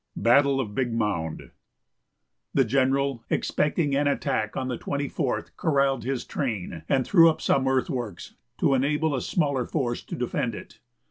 BATTLE OF BIG MOUND. The general, expecting an attack on the 24th, corralled his train, and threw up some earthworks to enable a smaller force to defend it.